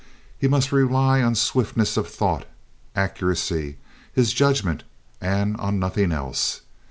He must rely on swiftness of thought, accuracy, his judgment, and on nothing else.